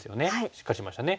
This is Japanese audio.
しっかりしましたね。